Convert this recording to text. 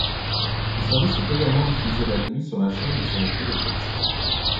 Ce service est également diffusé la nuit sur la chaîne et sur le télétexte.